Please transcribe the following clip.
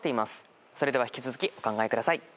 それでは引き続きお考えください。